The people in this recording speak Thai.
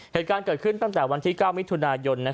เหตุการณ์เกิดขึ้นตั้งแต่วันที่๙มิถุนายน